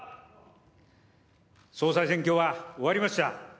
総裁選挙は終わりました。